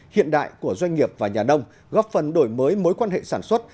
hiện đại của doanh nghiệp và nhà nông góp phần đổi mới mối quan hệ sản xuất